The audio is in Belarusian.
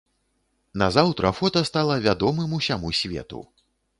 Назаўтра фота стала вядомым усяму свету.